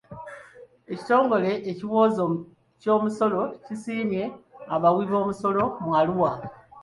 Ekitongole ekiwooza ky'omusolo kisiimye abawi b'omusolo mu Arua.